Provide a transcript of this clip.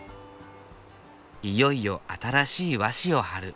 いよいよ新しい和紙を張る。